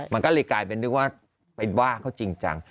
มันก็เลยกลายเป็นนึกว่าไปว่าเขาจริงจัง